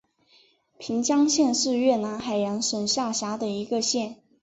平江县是越南海阳省下辖的一个县。